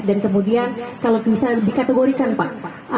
dan kemudian kalau bisa dikategorikan pak